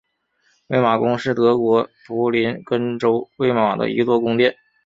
魏玛宫是德国图林根州魏玛的一座宫殿。